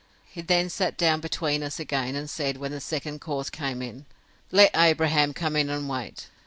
He then sat down between us again, and said, when the second course came in, Let Abraham come in and wait.